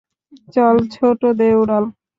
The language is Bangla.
চল, ছোট, দে উড়াল!